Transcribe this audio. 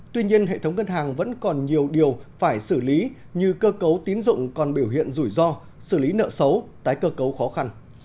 tuy nhiên hệ thống ngân hàng vẫn còn nhiều điều phải xử lý như cơ cấu tín dụng còn biểu hiện rủi ro xử lý nợ xấu tái cơ cấu khó khăn